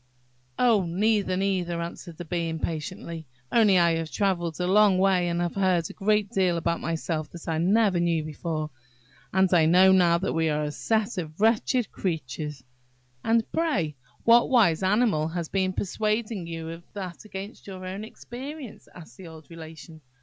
"Oh, neither, neither!" answered the Bee, impatiently; "only I have travelled a long way, and have heard a great deal about myself that I never knew before, and I know now that we are a set of wretched creatures!" "And, pray, what wise animal has been persuading you of that, against your own experience?" asked the old Relation.